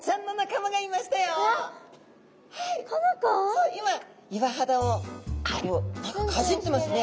そう今岩肌を何かかじってますね。